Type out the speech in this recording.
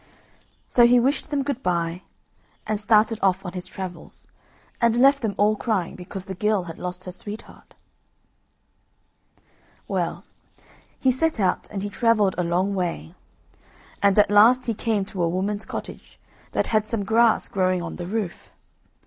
So he wished them good bye, and started off on his travels, and left them all crying because the girl had lost her sweetheart. Well, he set out, and he travelled a long way, and at last he came to a woman's cottage that had some grass growing on the roof.